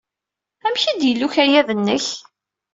Amek ay d-yella ukayad-nnek?